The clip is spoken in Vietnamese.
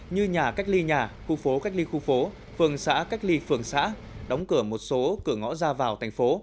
như nhà cách ly nhà khu phố cách ly khu phố phường xã cách ly phường xã đóng cửa một số cửa ngõ ra vào thành phố